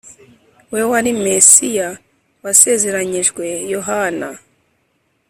we wari Mesiya wasezeranyijwe Yohana